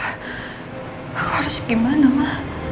kok harus gimana mba